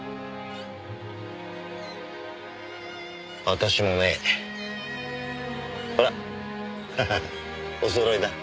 私もねほらおそろいだ。